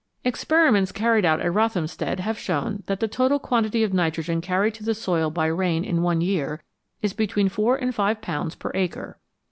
Experiments carried out at Rothamsted have shown that the total quantity of nitrogen carried to the soil by rain in one year is between four and five pounds per acre.